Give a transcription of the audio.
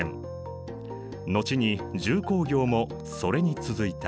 後に重工業もそれに続いた。